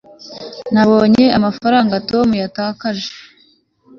nabonye amafaranga tom yatakaje